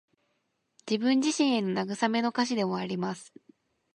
自分自身への慰めの歌詞でもあります。